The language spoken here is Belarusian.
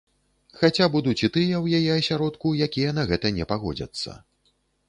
Хаця будуць і тыя ў яе асяродку, якія на гэта не пагодзяцца.